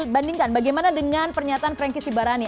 lalu kita bandingkan bagaimana dengan pernyataan franky sibarani